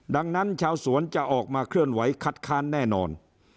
ดังนั้นชาวสวนจะออกมาเคลื่อนไหวคัดค้านแน่นอน